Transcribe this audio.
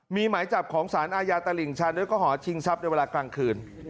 มีหมายจับของสารอาญาตลิ่งชันด้วยก็หอชิงทรัพย์ในเวลากลางคืน